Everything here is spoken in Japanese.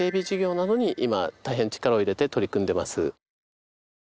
事業などに今大変力を入れて取り組んでます